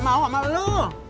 mau sama lu